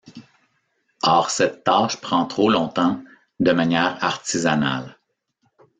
Or cette tâche prend trop longtemps de manière artisanale.